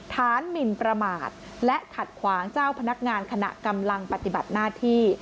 หมินประมาทและขัดขวางเจ้าพนักงานขณะกำลังปฏิบัติหน้าที่